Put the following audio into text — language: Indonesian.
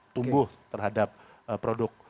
tumbuh terhadap produk